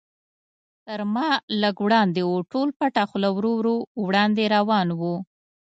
تر ما لږ وړاندې و، ټول پټه خوله ورو ورو وړاندې روان و.